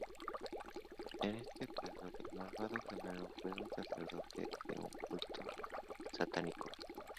En este caso el malvado gemelo fue un sacerdote de un culto satánico.